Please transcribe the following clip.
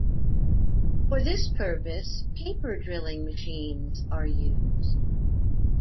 For this purpose paper drilling machines are used.